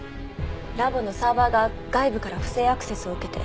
ラボのサーバーが外部から不正アクセスを受けて。